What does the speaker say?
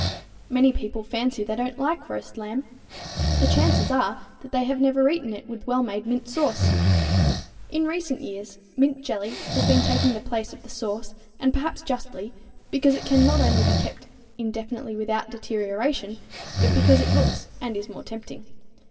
Many people fancy they don't like roast lamb. The chances are that they have never eaten it with wellmade mint sauce. In recent years mint jelly has been taking the place of the sauce, and perhaps justly, because it can not only be kept indefinitely without deterioration, but because it looks and is more tempting.